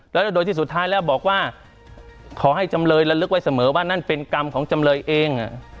แล้วโดยที่สุดท้ายแล้วบอกว่าขอให้จำเลยระลึกไว้เสมอว่านั่นเป็นกรรมของจำเลยเอง